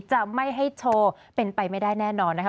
จะไม่ให้โชว์เป็นไปไม่ได้แน่นอนนะคะ